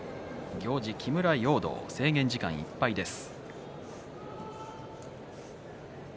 行司は木村容堂制限時間いっぱいです。